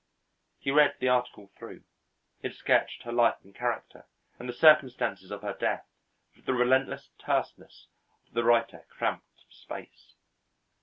He read the article through; it sketched her life and character and the circumstances of her death with the relentless terseness of the writer cramped for space.